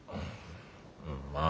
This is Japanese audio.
うんまあ